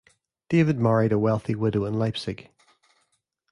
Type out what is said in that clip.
David married a wealthy widow in Leipzig.